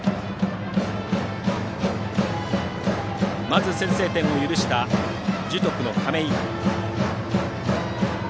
まず先制点を許した樹徳の亀井。